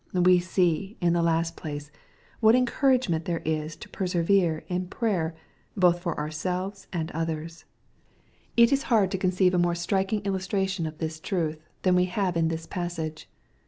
We see, in the last place, what encouragement there is to persevere in prayer, both for ourselves and others. It is hard to conceive a more striking illustration oi 182 EXPOSITORY THOUGHTS. this truth, than we have in this passage.